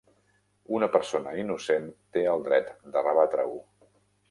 Una persona innocent té el dret de rebatre-ho.